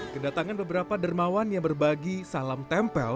kedatangan beberapa dermawan yang berbagi salam tempel